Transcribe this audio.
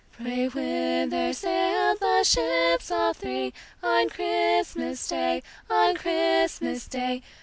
Pray whither sailed those ships all three On Christmas day, on Christmas day?